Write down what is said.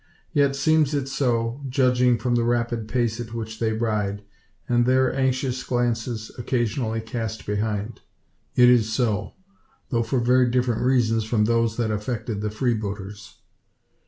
Yet seems it so, judging from the rapid pace at which they ride, and there anxious glances occasionally cast behind. It is so; though for very different reasons from those that affected the freebooters.